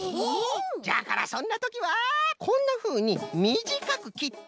じゃからそんなときはこんなふうにみじかくきってはる。